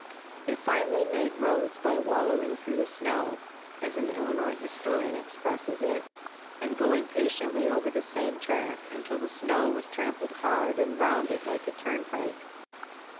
They finally made roads by "wallowing through the snow," as an Illinois historian expresses it, and going patiently over the same track until the snow was trampled hard and rounded like a turnpike.